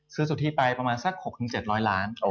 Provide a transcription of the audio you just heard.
ซื้อสุทธิไปประมาณซัก๖๗ล้อยล้าน